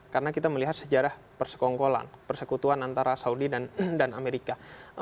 karena kita melihat sejarah persekongkolan persekutuan antara saudi dan amerika